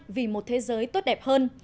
vì một thế giới tốt đẹp hơn